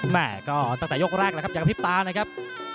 แม่ก็ตั้งแต่ยกแรกแล้วครับอย่างกระพริบตานะครับ